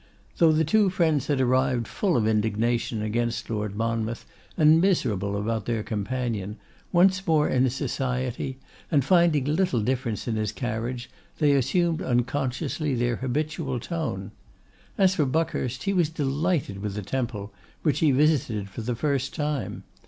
Though the two friends had arrived full of indignation against Lord Monmouth, and miserable about their companion, once more in his society, and finding little difference in his carriage, they assumed unconsciously their habitual tone. As for Buckhurst, he was delighted with the Temple, which he visited for the first time.